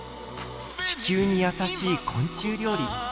地球に優しい昆虫料理。